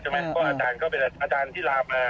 เพราะอาจารย์ก็เป็นอาจารย์ที่ลามา